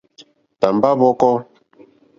Tàmbá hwɔ̄kɔ̄.